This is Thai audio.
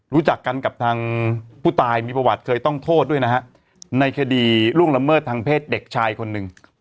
รู้จักกันกับทางผู้ตายมีประวัติเคยต้องโทษด้วยนะฮะในคดีล่วงละเมิดทางเพศเด็กชายคนหนึ่ง